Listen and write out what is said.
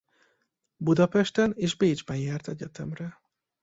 Budapesten és Bécsben járt egyetemre.